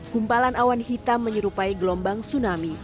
kumpalan awan hitam menyerupai gelombang tsunami